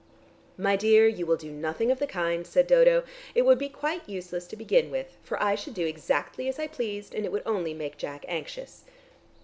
"My dear, you will do nothing of the kind," said Dodo. "It would be quite useless to begin with, for I should do exactly as I pleased, and it would only make Jack anxious."